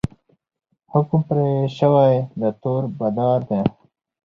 حکم پر سوی د تور بادار دی